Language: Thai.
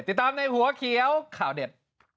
ติดตามในหัวเขียวข่าวเด็ด